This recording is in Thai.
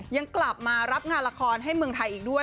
ยังกลับมารับงานละครให้เมืองไทยอีกด้วย